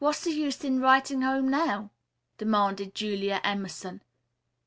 "What's the use in writing home now?" demanded Julia Emerson.